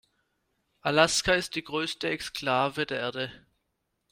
Alaska ist die größte Exklave der Erde.